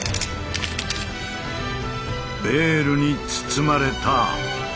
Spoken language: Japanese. ベールに包まれた！